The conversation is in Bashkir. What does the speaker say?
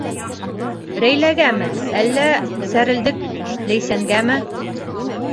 Рәйләгәме, әллә сәрелдәк Ләйсәнгәме?